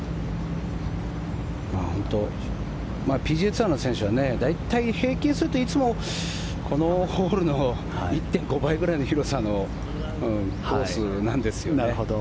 ＰＧＡツアーの選手は大体平均すると、いつもこのホールの１．５倍ぐらいの広さのコースなんですよね。